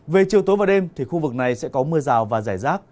về chiều tối và đêm thì khu vực này sẽ có mưa rào và rải rác